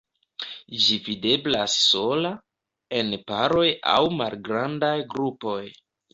Ĝi videblas sola, en paroj aŭ malgrandaj grupoj.